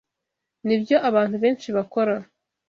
Nibyo abantu benshi bakora.